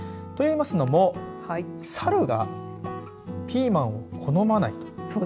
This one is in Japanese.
といいますのもサルがピーマンを好まないと。